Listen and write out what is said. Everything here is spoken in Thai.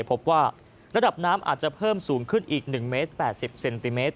พบว่าระดับน้ำอาจจะเพิ่มสูงขึ้นอีก๑เมตร๘๐เซนติเมตร